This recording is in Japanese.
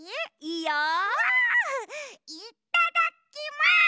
いっただきます！